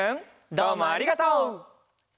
どうもありがとう！